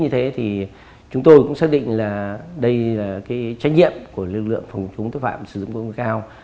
như thế thì chúng tôi cũng xác định là đây là trách nhiệm của lực lượng phòng chống tội phạm sử dụng công nghệ cao